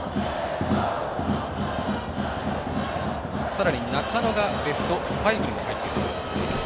さらに、中野がベスト５にも入っています。